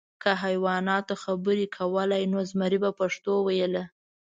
که حیواناتو خبرې کولی، نو زمری به پښتو ویله .